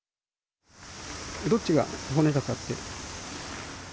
どっちが骨だかって？